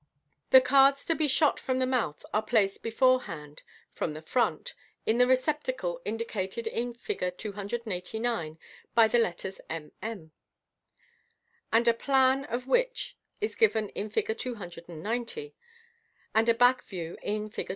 The cards to be shot from the mouth are placed be forehand (from the front) in the receptacle indicat ed in Fig. 289 by the letters m m, and a " plan " of which is given in Fig. 290, and a back view in Fig.